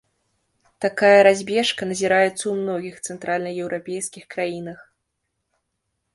Такая разбежка назіраецца ў многіх цэнтральнаеўрапейскіх краінах.